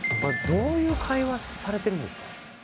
どういう会話されてるんですか？